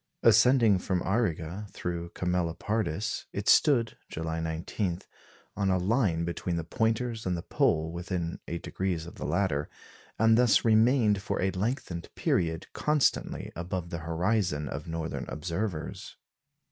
Ascending from Auriga through Camelopardus, it stood, July 19, on a line between the Pointers and the Pole, within 8° of the latter, and thus remained for a lengthened period constantly above the horizon of northern observers.